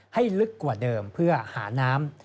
ลึกกว่าเดิมเพื่อหาน้ำ